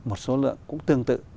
một số lượng cũng tương tự